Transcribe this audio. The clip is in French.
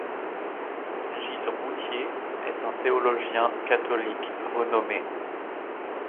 Gilles Routhier est un théologien catholique renommé.